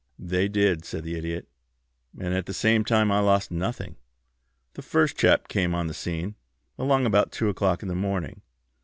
"They did," said the Idiot. "And at the same time I lost nothing. The first chap came on the scene, along about two o'clock in the morning.